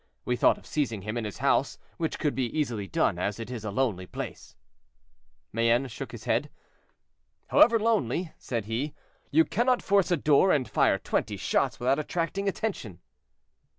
We thought of seizing him in his house, which could be easily done, as it is a lonely place." Mayenne shook his head. "However lonely," said he, "you cannot force a door and fire twenty shots without attracting attention."